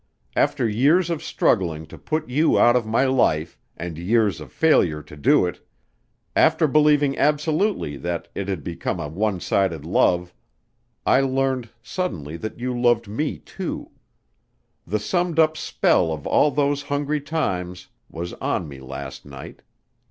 After years of struggling to put you out of my life and years of failure to do it, after believing absolutely that it had become a one sided love, I learned suddenly that you loved me, too. The summed up spell of all those hungry times was on me last night.